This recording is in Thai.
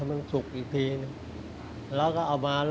กล่าวค้านถึงกุ้ยเตี๋ยวลุกชิ้นหมูฝีมือลุงส่งมาจนถึงทุกวันนี้นั่นเองค่ะ